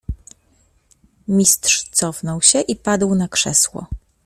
"Mistrz cofnął się i padł na krzesło."